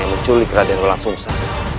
yang menculik raden walang sungsang